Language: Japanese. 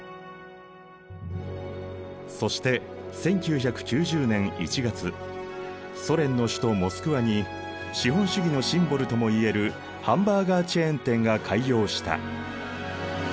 そして１９９０年１月ソ連の首都モスクワに資本主義のシンボルともいえるハンバーガーチェーン店が開業した。